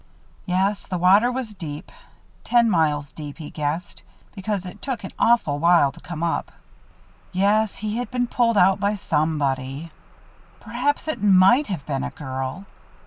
Yes, the water was deep ten miles deep, he guessed because it took an awful while to come up. Yes, he had been pulled out by somebody. Perhaps it might have been a girl.